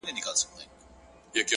د حقیقت اورېدل د ودې پیل دی,